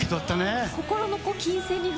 心の。